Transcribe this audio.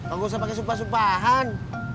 enggak usah pake sumpah sumpahan